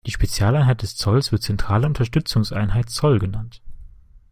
Die Spezialeinheit des Zolls wird Zentrale Unterstützungseinheit Zoll genannt.